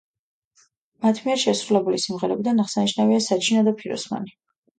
მათ მიერ შესრულებული სიმღერებიდან აღსანიშნავია „საჩინო“ და „ფიროსმანი“.